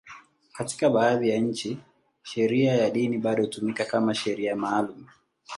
Katika baadhi ya nchi, sheria ya dini bado hutumika kama sheria maalum.